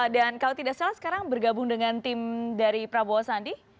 dan kalau tidak salah sekarang bergabung dengan tim dari prabowo sandi